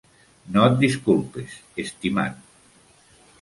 No et disculpes, estimat.